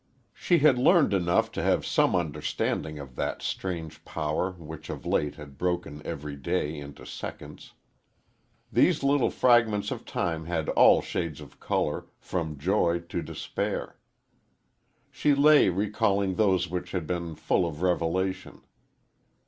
She had learned enough to have some understanding of that strange power which of late had broken every day into seconds. These little fragments of time had all shades of color, from joy to despair. She lay recalling those which had been full of revelation.